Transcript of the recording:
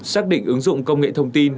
xác định ứng dụng công nghệ thông tin